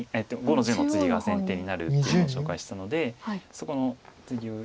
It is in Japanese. ５の十のツギが先手になるっていうのを紹介したのでそこのツギを。